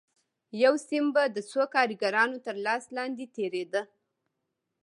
یو سیم به د څو کارګرانو تر لاس لاندې تېرېده